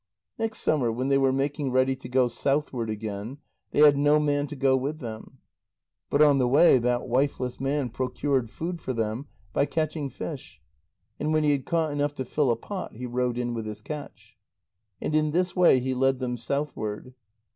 Next summer, when they were making ready to go southward again, they had no man to go with them. But on the way that wifeless man procured food for them by catching fish, and when he had caught enough to fill a pot, he rowed in with his catch. And in this way he led them southward.